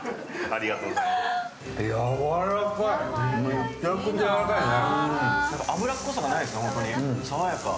めちゃくちゃやわらかいね。